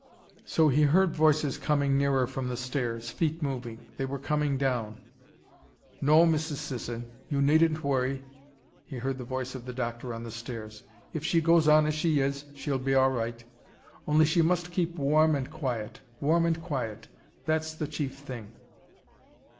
So he heard voices coming nearer from upstairs, feet moving. They were coming down. "No, Mrs. Sisson, you needn't worry," he heard the voice of the doctor on the stairs. "If she goes on as she is, she'll be all right. Only she must be kept warm and quiet warm and quiet that's the chief thing."